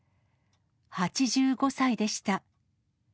８５歳でした。